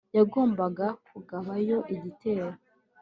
yagombaga kugabayo igitero